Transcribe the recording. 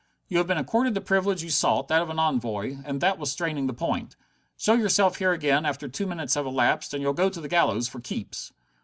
You have been accorded the privilege you sought, that of an envoy, and that was straining the point. Show yourself here again after two minutes have elapsed, and you'll go to the gallows for keeps."